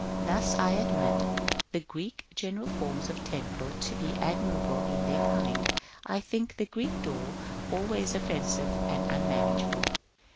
Thus, while I admit the Greek general forms of temple to be admirable in their kind, I think the Greek door always offensive and unmanageable.